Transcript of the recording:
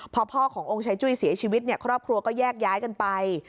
พอพ่อขององค์ชายจุ้ยเสียชีวิตเนี่ยครอบครัวก็แยกย้ายกันไป